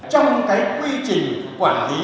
trong cái quy trình quản lý